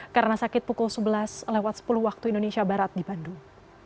karena sakit pukul sebelas lewat sepuluh waktu indonesia barat di bandung